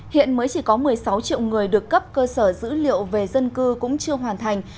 hiện mới chỉ có một mươi sáu triệu người được cấp cơ sở dữ liệu về dân cư cũng chưa hoàn thành